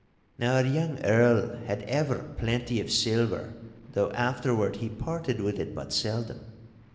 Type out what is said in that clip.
Now our young Earl had ever plenty of siller though afterward he parted with it but seldom.